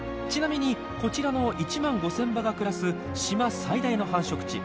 ちなみにこちらの１万５，０００羽が暮らす島最大の繁殖地。